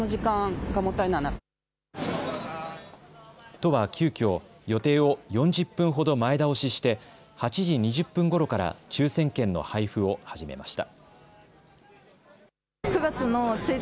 都は急きょ、予定を４０分ほど前倒しして８時２０分ごろから抽せん券の配布を始めました。